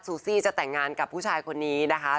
ซี่จะแต่งงานกับผู้ชายคนนี้นะคะ